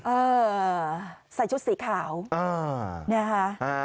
เออใส่ชุดสีขาวนะคะ